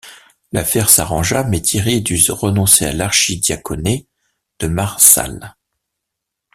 L’affaire s’arrangea, mais Thierry dut renoncer à l’archidiaconné de Marsal.